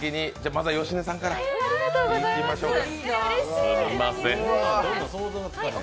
まずは芳根さんからいきましょう。